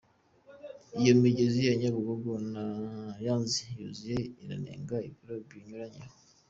Iyo migezi ya Nyabugogo na Yanzi yuzuye inarenga ibiraro banyugarahaho.